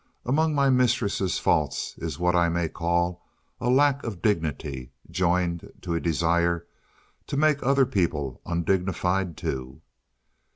Among my mistress's faults is what I may call a lack of dignity, joined to a desire to make other people undignified too.